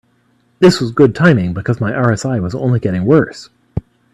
This was good timing, because my RSI was only getting worse.